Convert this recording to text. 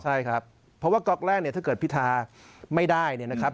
ใช่ครับเพราะว่าก๊อกแรกเนี่ยถ้าเกิดพิธาไม่ได้เนี่ยนะครับ